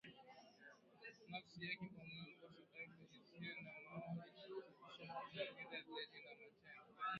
nafsi yake kwa Mungu kuwa sadaka isiyo na mawaa itawasafisha dhamiri zenu na matendo